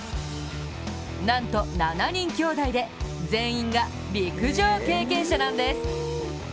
なんと７人きょうだいで全員が陸上経験者なんです。